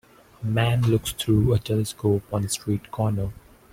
A man looks through a telescope on a street corner.